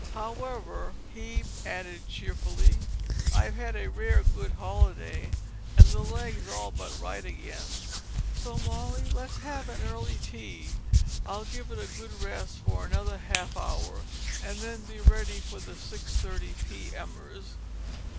"Hows'ever," he added cheerfully, "I've had a rare good holiday, an' the leg's all but right again, so, Molly, let's have an early tea; I'll give it a good rest for another half hour and then be ready for the 6:30 p.m ers.